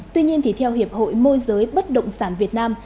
tuy nhiên theo hiệp hội môi giới bất động sản việt nam